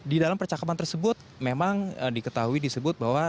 di dalam percakapan tersebut memang diketahui disebut bahwa